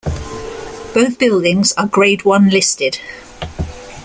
Both buildings are Grade One listed.